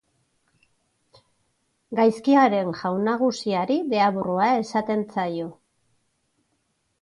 Gaizkiaren jaun nagusiari Deabrua esaten zaio.